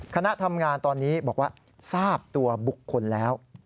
คณะทำงานตอนนี้บอกว่าทราบตัวบุคคลแล้ว